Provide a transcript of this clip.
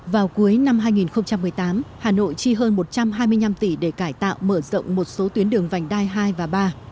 vào cuối năm hai nghìn một mươi tám hà nội chi hơn một trăm hai mươi năm tỷ để cải tạo mở rộng một số tuyến đường vành đai hai và ba